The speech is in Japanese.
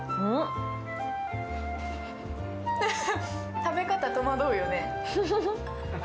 食べ方、戸惑うよね。